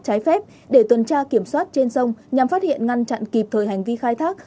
trái phép để tuần tra kiểm soát trên sông nhằm phát hiện ngăn chặn kịp thời hành vi khai thác